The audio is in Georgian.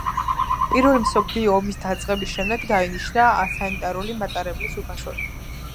პირველი მსოფლიო ომის დაწყების შემდეგ დაინიშნა სანიტარული მატარებლის უფროსად.